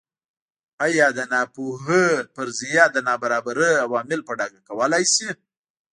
ایا د ناپوهۍ فرضیه د نابرابرۍ عوامل په ډاګه کولای شي.